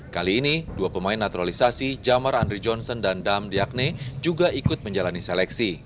kali ini dua pemain naturalisasi jamar andri johnson dan dam diagne juga ikut menjalani seleksi